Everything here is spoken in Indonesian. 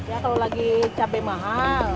ya kalau lagi cabai mahal